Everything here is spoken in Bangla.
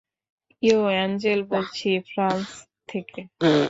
ইয়ো, এঞ্জেল বলছি ফ্রাইস থেকে।